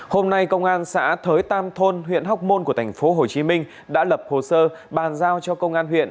hôm nay công an xã thới tam thôn huyện hóc môn của tp hcm đã lập hồ sơ bàn giao cho công an huyện